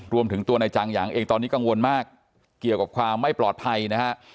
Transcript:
รวมถึงตัวนายจางหยางเองตอนนี้กังวลมากเกี่ยวกับความไม่ปลอดภัยนะฮะ